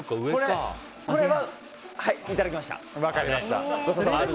これは、いただきました。